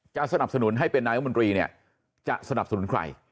สนับสนุนให้เป็นนายมนตรีเนี่ยจะสนับสนุนใคร